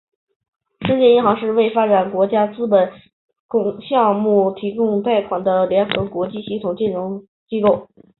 世界银行是为发展中国家资本项目提供贷款的联合国系统国际金融机构。